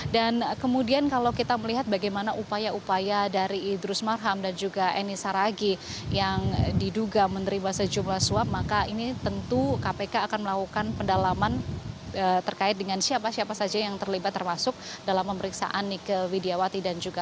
dan kemudian kalau kita melihat bagaimana upaya upaya dari idrus marham dan juga eni saragi yang diduga menerima sejumlah suap maka ini tentu kpk akan melakukan pendalaman terkait dengan siapa siapa saja yang terlibat termasuk dalam pemeriksaan